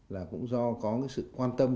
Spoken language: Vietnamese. là cũng do có sự quan tâm